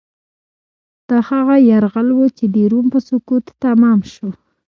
دا هغه یرغل و چې د روم په سقوط تمام شو.